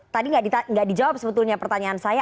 tadi nggak dijawab sebetulnya pertanyaan saya